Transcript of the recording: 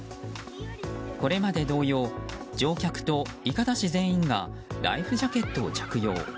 これまで同様乗客といかだ師全員がライフジャケットを着用。